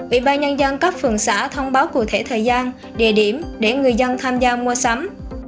ủy ban nhân dân các phường xã thông báo cụ thể thời gian địa điểm để người dân tham gia mua sắm